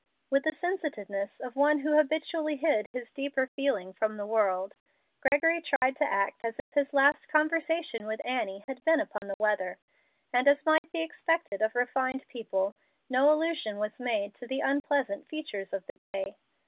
With the sensitiveness of one who habitually hid his deeper feeling from the world, Gregory tried to act as if his last conversation with Annie had been upon the weather; and as might be expected of refined people, no allusion was made to the unpleasant features of the day.